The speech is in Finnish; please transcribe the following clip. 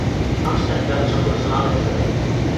Amsterdamin sopimus on allekirjoitettu.